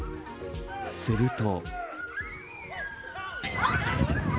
すると。